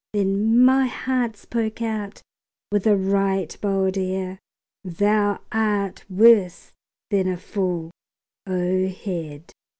Then my heart spoke out with a right bold air: "Thou art worse than a fool, O head!"